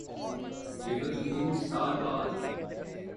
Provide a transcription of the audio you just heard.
Liverpool سال بعد